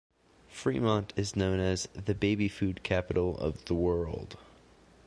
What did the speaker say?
Fremont is known as "The Baby Food Capital of the World".